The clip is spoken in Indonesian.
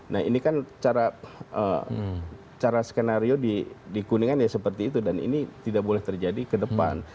nah ini kan cara skenario di kuningan ya seperti itu dan ini tidak boleh terjadi ke depan